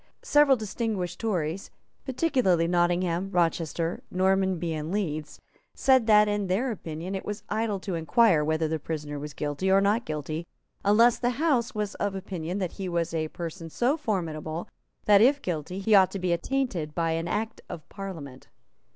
Several distinguished Tories, particularly Nottingham, Rochester, Normanby and Leeds, said that, in their opinion, it was idle to inquire whether the prisoner was guilty or not guilty, unless the House was of opinion that he was a person so formidable that, if guilty, he ought to be attainted by Act of Parliament.